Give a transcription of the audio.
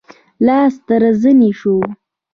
لاس تر زنې شو.